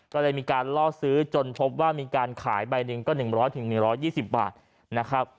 ก็เลยมีการล่อซื้อจนพบว่ามีการขายใบหนึ่งก็หนึ่งร้อยถึงหนึ่งร้อยยี่สิบบาทนะครับ